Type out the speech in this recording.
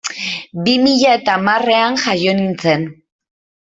Bi mila eta hamarrean jaio nintzen.